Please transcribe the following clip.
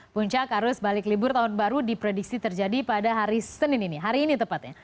puncak arus balik libur tahun baru diprediksi terjadi pada hari senin ini hari ini tepatnya